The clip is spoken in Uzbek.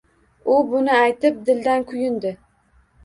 U buni aytib, dildan kuyundi